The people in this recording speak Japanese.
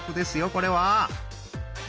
これは！